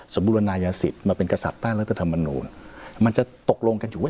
สมาเป็นกษัตริย์ต้านเรื่องธรรมดนูนมันจะตกลงกันอยู่